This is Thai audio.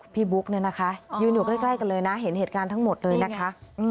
บุ๊กเนี่ยนะคะยืนอยู่ใกล้กันเลยนะเห็นเหตุการณ์ทั้งหมดเลยนะคะ